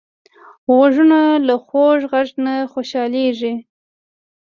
غوږونه له خوږ غږ نه خوشحالېږي